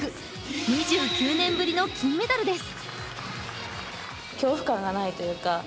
２９年ぶりの金メダルです。